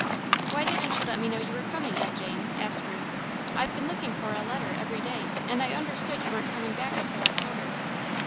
"Why didn't you let me know you were coming, Aunt Jane?" asked Ruth. "I've been looking for a letter every day and I understood you weren't coming back until October."